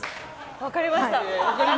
分かりました。